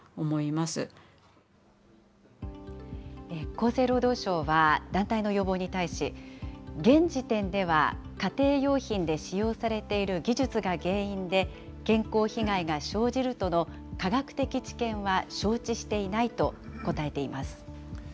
厚生労働省は、団体の要望に対し、現時点では家庭用品で使用されている技術が原因で健康被害が生じるとの科学的知見は承知していないと答えています。